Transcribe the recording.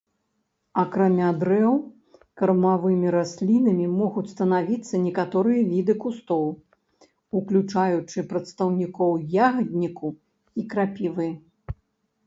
Акрамя дрэў кармавымі раслінамі могуць станавіцца некаторыя віды кустоў, уключаючы прадстаўнікоў ягадніку і крапівы.